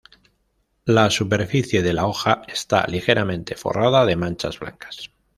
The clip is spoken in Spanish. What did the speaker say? La superficie de la hoja está ligeramente forrada de manchas blancas.